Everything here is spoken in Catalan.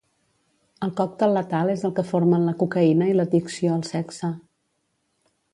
El còctel letal és el que formen la cocaïna i l'addicció al sexe.